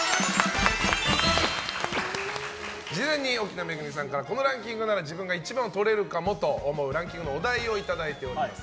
事前に奥菜恵さんから自分が１番をとれるかもと思うランキングのお題をいただいております。